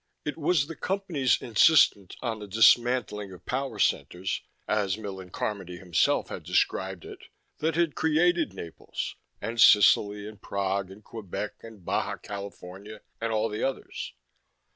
It was the Company's insistence on the dismantling of power centers (as Millen Carmody himself had described it) that had created Naples and Sicily and Prague and Quebec and Baja California and all the others.